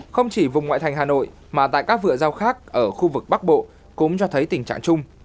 không chỉ vùng ngoại thành hà nội mà tại các vựa rau khác ở khu vực bắc bộ cũng cho thấy tình trạng chung